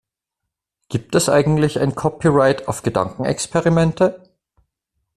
Gibt es eigentlich ein Copyright auf Gedankenexperimente?